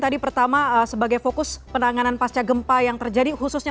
tadi pertama sebagai fokus penanganan pasca gempa yang terjadi khususnya